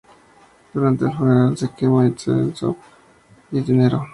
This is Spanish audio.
Durante el funeral se quema incienso y dinero.